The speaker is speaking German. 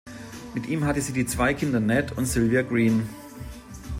Mit ihm hatte sie die zwei Kinder Ned und Sylvia Green.